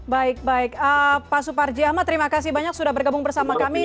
baik baik pak suparji ahmad terima kasih banyak sudah bergabung bersama kami